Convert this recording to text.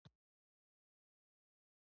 د دوړو د حساسیت لپاره ماسک وکاروئ